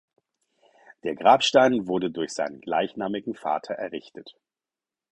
Der Grabstein wurde durch seinen gleichnamigen Vater errichtet.